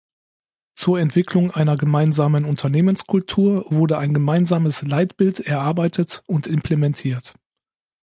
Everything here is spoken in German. Zur Entwicklung einer gemeinsamen Unternehmenskultur wurde ein gemeinsames Leitbild erarbeitet und implementiert.